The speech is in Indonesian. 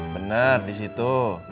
benar di situ